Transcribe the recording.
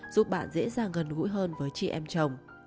giúp bạn dễ dàng gần gũi hơn với chị em chồng